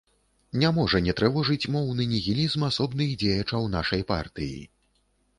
Не можа не трывожыць моўны нігілізм асобных дзеячаў нашай партыі.